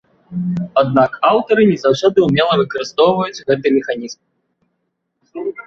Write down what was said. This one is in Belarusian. Аднак аўтары не заўсёды ўмела выкарыстоўваюць гэты механізм.